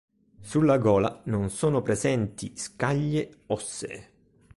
Sulla gola non sono presenti scaglie ossee.